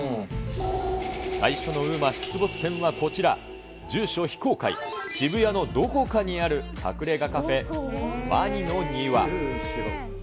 最初のＵＭＡ出没店はこちら、住所非公開、渋谷のどこかにある隠れ家カフェワニのニワ。